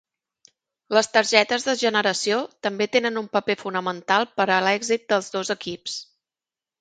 Les targetes de generació també tenen un paper fonamental per a l'èxit dels dos equips.